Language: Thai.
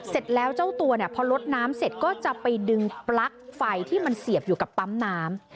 เสร็จแล้วเจ้าตัวเนี่ยพอลดน้ำเสร็จก็จะไปดึงปลั๊กไฟที่มันเสียบอยู่กับปั๊มน้ำ